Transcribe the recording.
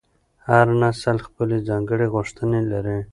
هر نسل خپلې ځانګړې غوښتنې لري.